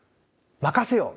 任せよう！